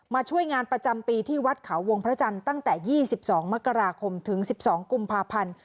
ช่วยงานประจำปีที่วัดเขาวงพระจันทร์ตั้งแต่๒๒มกราคมถึง๑๒กุมภาพันธ์